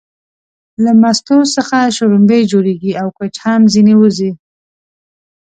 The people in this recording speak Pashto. له مستو څخه شلومبې جوړيږي او کوچ هم ځنې وځي